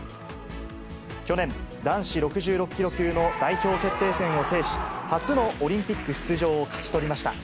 去年、男子６６キロ級の代表決定戦を制し、初のオリンピック出場を勝ち取りました。